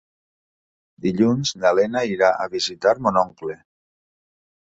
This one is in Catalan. Dilluns na Lena irà a visitar mon oncle.